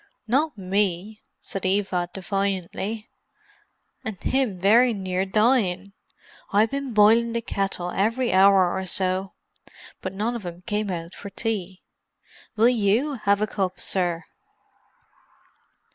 "Not me!" said Eva defiantly. "And 'im very near dyin'. I been boilin' the kettle every hour or so, but none of 'em came out for tea. Will you 'ave a cup, sir?"